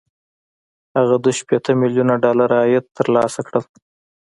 هغه دوه شپېته ميليونه ډالر عاید ترلاسه کړ